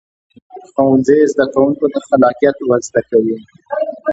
ښوونځی زده کوونکو ته خلاقیت ورزده کوي